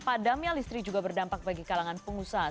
padamnya listrik juga berdampak bagi kalangan pengusaha